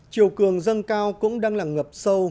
triều cường dân cao cũng đang là ngập sâu